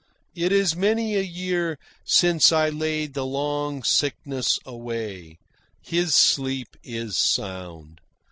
It is many a year since I laid the Long Sickness away; his sleep is sound.